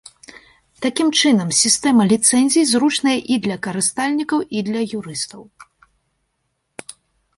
Такім чынам, сістэма ліцэнзій зручная і для карыстальнікаў, і для юрыстаў.